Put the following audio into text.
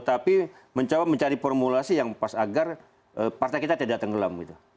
tapi mencoba mencari formulasi yang pas agar partai kita tidak tenggelam gitu